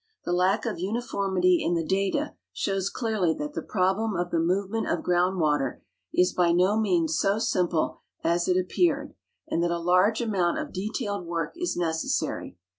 The lack of uni formit}'^ in the data shows clearly that the problem of the move ment of ground water is by no means so simple as it apj^eared, and that a large amount of detailed work is necessary.